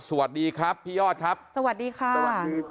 สวัสดีครับพี่ยอดครับสวัสดีค่ะสวัสดีค่ะ